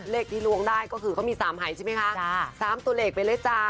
เลขที่ล้วงได้ก็คือเขามี๓หายใช่ไหมคะ๓ตัวเลขไปเลยจ้า